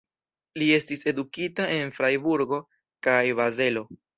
Li estis edukita en Frajburgo kaj Bazelo.